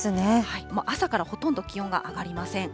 朝からほとんど気温が上がりません。